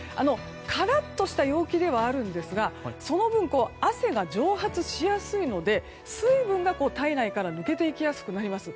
カラッとした陽気ではあるんですがその分、汗が蒸発しやすいので水分が体内から抜けていきやすくなります。